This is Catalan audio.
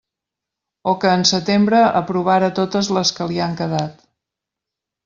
O que en setembre aprovara totes les que li han quedat.